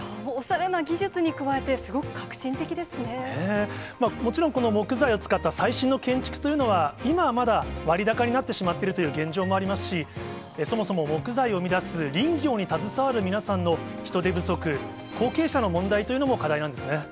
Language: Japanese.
技術に加えて、すごく革新的もちろんこの木材を使った最新の建築というのは、今はまだ割高になってしまっているという現状もありますし、木材を生み出す林業に携わる皆さんの人手不足、後継者の問題というのも課題なんですね。